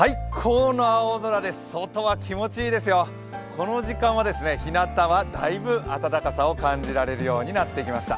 この時間はひなたはだいぶ暖かさを感じられるようになってきました。